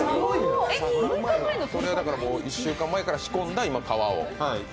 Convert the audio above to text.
１週間前から仕込んだ、今皮を。